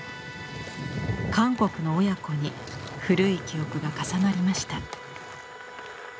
韓国の親子に古い記憶が重なりました。